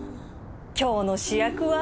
今日の主役は